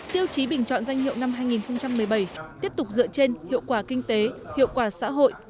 tiêu chí bình chọn danh hiệu năm hai nghìn một mươi bảy tiếp tục dựa trên hiệu quả kinh tế hiệu quả xã hội